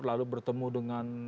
lalu bertemu dengan